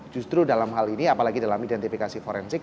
justru dalam hal ini apalagi dalam identifikasi forensik